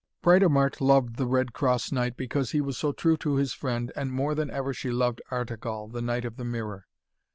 Britomart loved the Red Cross Knight because he was so true to his friend, and more than ever she loved Artegall, the knight of the Mirror.